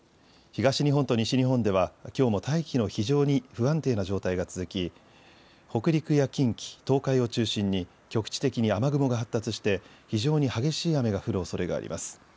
東日本と西日本ではきょうも大気の非常に不安定な状態が続き北陸や近畿、東海を中心に局地的に雨雲が発達して非常に激しい雨が降るおそれがあります。